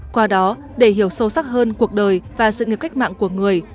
qua đó để hiểu sâu sắc hơn cuộc đời và sự nghiệp cách mạng của người